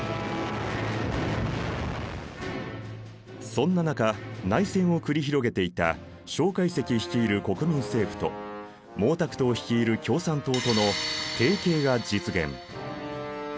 そんな中内戦を繰り広げていた介石率いる国民政府と毛沢東率いる共産党との提携が実現。